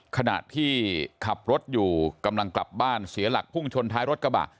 ขณะที่ขับรถอยู่กำลังกลับบ้านเสียหลักพุ่งชนท้ายรถกระบะ